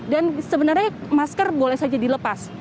dan sebenarnya masker boleh saja dilepas